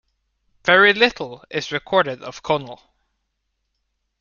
Very little is recorded of Conall.